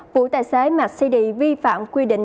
vụ tài xế mercedes vi phạm quy định